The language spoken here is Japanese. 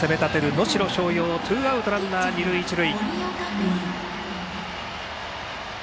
能代松陽ツーアウトランナー、二塁一塁。